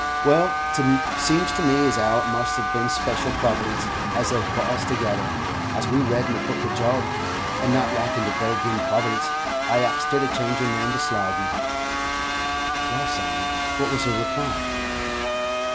Well, 't seems to me as 'ow it must hev bin special Providence as hev brought us together, as we read in the Book of Job; and not likin' to go 'gin Providence, I axed her to change her name to Slowden." "Well, Simon, what was her reply?"